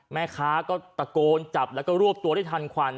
แม่ค้าก็ตะโกนจับแล้วก็รวบตัวได้ทันควัน